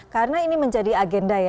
karena ini menjadi agenda ya